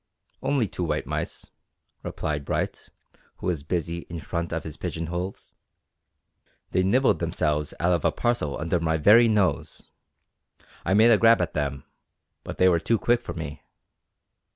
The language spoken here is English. "Only two white mice," replied Bright, who was busy in front of his pigeon holes. "They nibbled themselves out of a parcel under my very nose. I made a grab at 'em, but they were too quick for me."